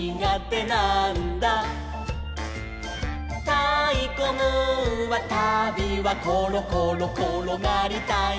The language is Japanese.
「たいこムーンはたびはころころころがりたいのさ」